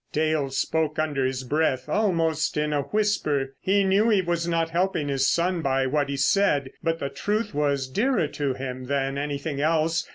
Dale spoke under his breath, almost in a whisper. He knew he was not helping his son by what he said, but the truth was dearer to him than anything else.